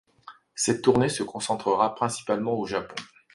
Cette tournée se concentrera principalement au Japon.